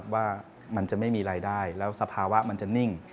ว่ามันจะไม่มีรายได้แล้วสภาวะมันจะนิ่ง